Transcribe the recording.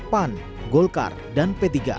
pan golkar dan p tiga